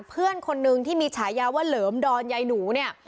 เพื่อนคนนึงที่มีฉายาว่าเหลิมดอนยายหนูเนี่ย